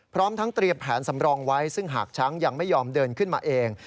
พร้อมทั้งเตรียมแผนสำรองไว้ซึ่งหากช้างยังไม่ยอมเดินขึ้นมาเอง